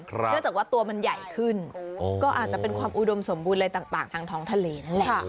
เนื่องจากว่าตัวมันใหญ่ขึ้นก็อาจจะเป็นความอุดมสมบูรณ์อะไรต่างทางท้องทะเลนั่นแหละ